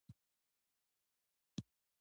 تاریخ د افغانستان د طبعي سیسټم توازن ساتي.